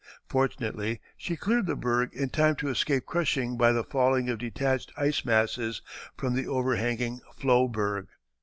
Fortunately she cleared the berg in time to escape crushing by the falling of detached ice masses from the overhanging floe berg.